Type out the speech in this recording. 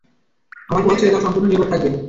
আমার পথ ছেড়ে দাও সম্পূর্ণ নিরাপদ থাকবে।